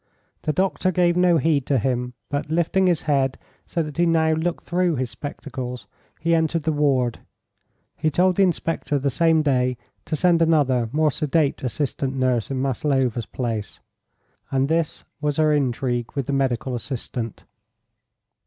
The doctor gave no heed to him, but, lifting his head so that he now looked through his spectacles, he entered the ward. He told the inspector the same day to send another more sedate assistant nurse in Maslova's place. And this was her "intrigue" with the medical assistant.